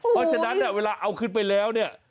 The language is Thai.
เพราะฉะนั้นเวลาเอาขึ้นไปแล้วเนี่ย